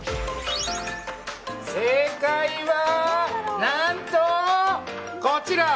正解は、何とこちら！